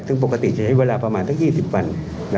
ซึ่งปกติจะใช้เวลาประมาณสัก๒๐วัน